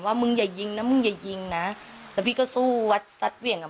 มึงอย่ายิงนะมึงอย่ายิงนะแล้วพี่ก็สู้วัดซัดเหวี่ยงกับ